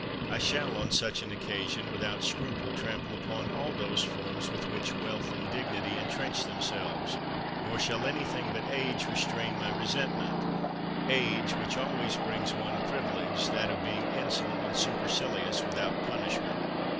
I shall on such an occasion without scruple trample upon all those forms with which wealth and dignity intrench themselves — nor shall anything but age restrain my resentment; age, which always brings one privilege, that of being insolent and supercilious without punishment.